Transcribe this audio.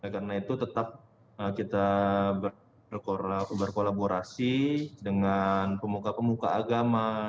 karena itu tetap kita berkolaborasi dengan pemuka pemuka agama